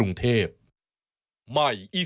ข้าวใส่ใคร